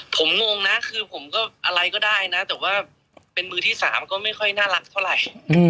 ผมงงนะคือผมก็อะไรก็ได้นะแต่ว่าเป็นมือที่สามก็ไม่ค่อยน่ารักเท่าไหร่